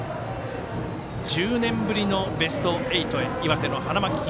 １０年ぶりのベスト８へ岩手の花巻東。